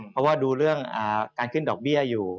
เพราะว่าดูเรื่องการขึ้นดอกเบี้ยอยู่